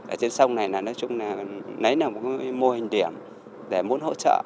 ở trên sông này là nói chung là lấy một cái mô hình điểm để muốn hỗ trợ